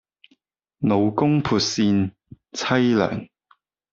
老公撥扇妻涼